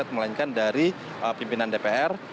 melainkan dari pimpinan dpr